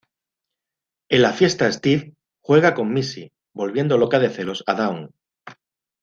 En la fiesta Steve juega con Missy, volviendo loca de celos a Dawn.